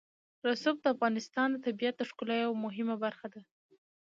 رسوب د افغانستان د طبیعت د ښکلا یوه مهمه برخه ده.